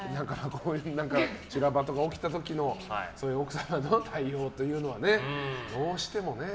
修羅場とか起きた時の奥様の対応というのはどうしてもね。